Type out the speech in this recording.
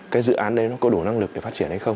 cái dự án đấy nó có đủ năng lực để phát triển hay không